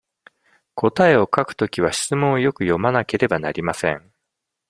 答えを書くときは、質問をよく読まなければなりません。